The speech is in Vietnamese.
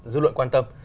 dư luận quan tâm